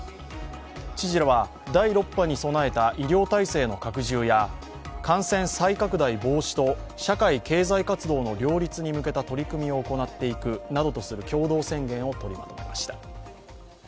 知事らは、第６波に備えた医療体制の拡充や感染再拡大防止と社会経済活動の両立に向けた取り組みを行っていくなどとする共同宣言をとりまとめました。